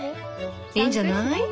いいんじゃない？